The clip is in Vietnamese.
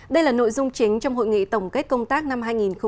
đây là nội dung chính trong hội nghị tổng kết công tác năm hai nghìn một mươi chín